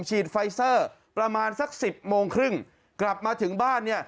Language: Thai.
ฉีดไฟเซอร์ประมาณสักสิบโมงครึ่งกลับมาถึงบ้านเนี่ย